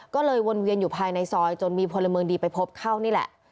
ก็เลยวนเวียนอยู่ภายในซอยจนมีพลเมืองดีไปพบเข้านี่แหละ